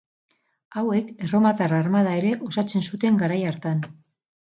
Hauek, erromatar armada ere osatzen zuten garai hartan.